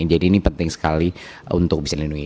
jadi ini penting sekali untuk bisa dilindungi